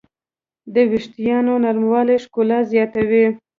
د وېښتیانو نرموالی ښکلا زیاتوي.